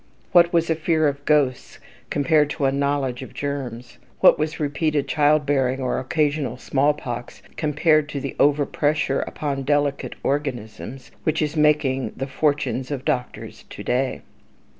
What was a fear of ghosts compared to a knowledge of germs? What was repeated child bearing, or occasional smallpox, compared to the "over pressure" upon "delicate organisms," which is making the fortunes of doctors to day?